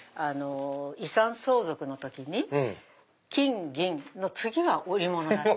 遺産相続の時に金銀の次が織物だった。